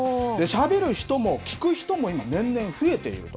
しゃべる人も聞く人も、今、年々増えている。